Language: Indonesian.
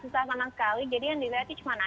karena pt koren